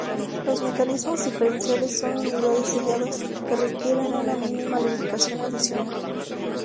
Los mecanismos diferenciales son unidades selladas que requieren una mínima lubricación adicional.